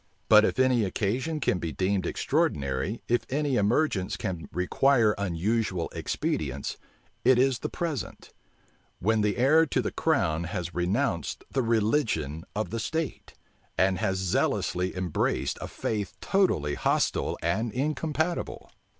But if any occasion can be deemed extraordinary, if any emergence can require unusual expedients, it is the present; when the heir to the crown has renounced the religion of the state, and has zealously embraced a faith totally hostile and incompatible.